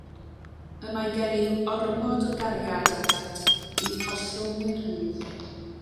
Y mae gennyf ormod o gariad atat i'th ollwng yn rhydd.